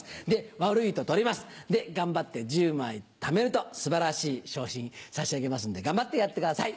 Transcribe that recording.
悪いと取りますで頑張って１０枚ためると素晴らしい賞品差し上げますんで頑張ってやってください。